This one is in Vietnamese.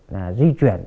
là di chuyển